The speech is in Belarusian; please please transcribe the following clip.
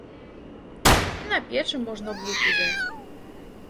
І на печы можа блуд узяць.